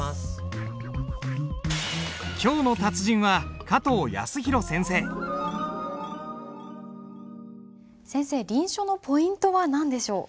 今日の達人は先生臨書のポイントは何でしょう？